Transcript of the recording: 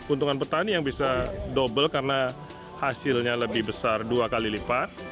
keuntungan petani yang bisa double karena hasilnya lebih besar dua kali lipat